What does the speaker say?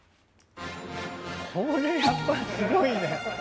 これやっぱすごいね。